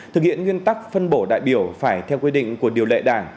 thực hiện nguyên tắc phân bổ đại biểu phải theo quy định của điều lệ đảng